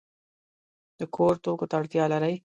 د کور توکو ته اړتیا لرئ؟